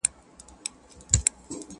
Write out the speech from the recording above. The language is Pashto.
خدای درکړی لوړ قامت او تنه پلنه.!